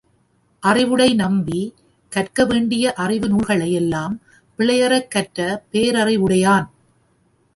அறிவுடை நம்பி, கற்க வேண்டிய அறிவு நூல்களை யெல்லாம் பிழையறக் கற்ற பேரறிவுடையான்.